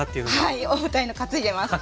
はい重たいの担いでます。